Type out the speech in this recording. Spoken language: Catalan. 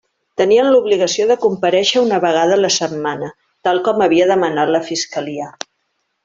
Tenien l'obligació de comparèixer una vegada a la setmana, tal com havia demanat la fiscalia.